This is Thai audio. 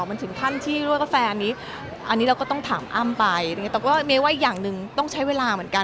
มันถึงท่านที่รู้ว่าแฟนนี้อันนี้เราก็ต้องถามอ้ำไปแต่ก็ไม่ว่าอีกอย่างหนึ่งต้องใช้เวลาเหมือนกัน